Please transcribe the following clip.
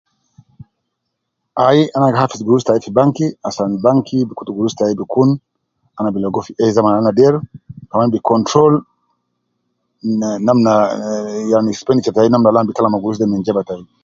Ai ana gi hafidh gurus tai fi banki asan banki bi kutu gurus tai bi kun ana bi ligo fi eh zaman al ana der, kaman bi control ne namna yan expenditure tai namna al ana gi tala me gurus de min jeba tai